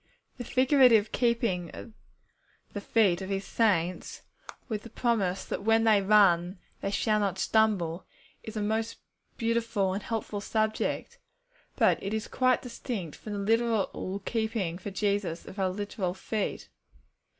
'_ The figurative keeping of the feet of His saints, with the promise that when they run they shall not stumble, is a most beautiful and helpful subject. But it is quite distinct from the literal keeping for Jesus of our literal feet.